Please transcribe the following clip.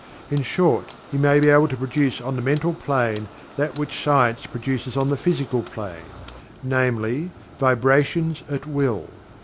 In short, he may be able to produce on the Mental Plane that which science produces on the Physical Plane namely, "Vibrations at Will."